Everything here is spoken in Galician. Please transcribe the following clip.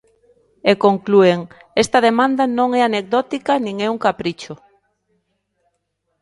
E conclúen: Esta demanda non é anecdótica nin é un capricho.